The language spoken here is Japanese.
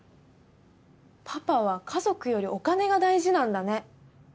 パパは家族よりお金が大事なんだね。